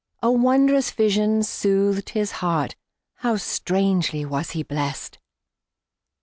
A wondrous vision soothed his heartHow strangely was he blessed!